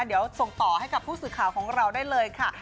เดี๋ยวส่งต่อให้กับผู้สื่อข่าวของเราได้เลยค่ะ